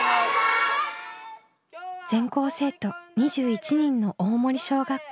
全校生徒２１人の大森小学校。